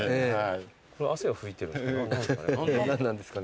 これは汗を拭いてるんですか？